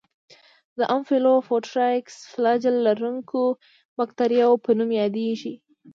د امفیلوفوټرایکس فلاجیل لرونکو باکتریاوو په نوم یادیږي.